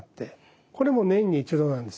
これも年に一度なんです。